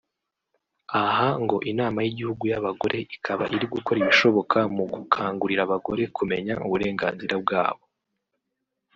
Aha ngo Inama y’Igihugu y’Abagore ikaba iri gukora ibishoboka mu gukangurira abagore kumenya uburenganzira bwabo